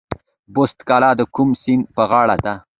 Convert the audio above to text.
بست کلا د کوم سیند په غاړه ده؟